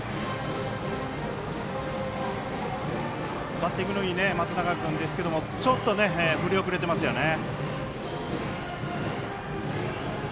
バッティングのいい松永君ですけどちょっと振り遅れてますよね。